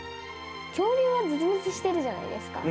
恐竜は絶滅してるじゃないですか。